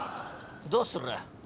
どうする？